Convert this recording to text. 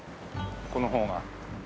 ここの方が。